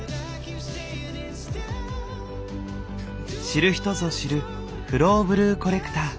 知る人ぞ知るフローブルーコレクター。